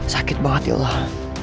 sakit banget ya allah